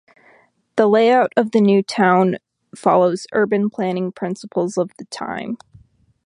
The layout of the new town follows urban planning principles of the time.